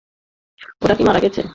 ও কী মারা গেছে?